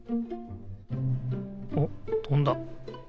おっとんだ。